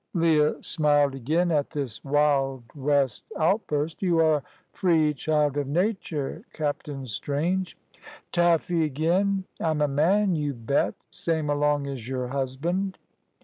Leah smiled again at this Wild West outburst. "You are a free child of nature, Captain Strange." "Taffy agin. I'm a man, you bet, same along as your husband."